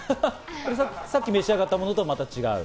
さっき召し上がったものとはまた違う。